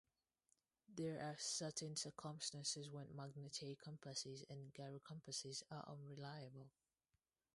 There are certain circumstances when magnetic compasses and gyrocompasses are unreliable.